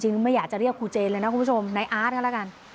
ไม่อยากจะเรียกครูเจนเลยนะคุณผู้ชมนายอาร์ตก็แล้วกัน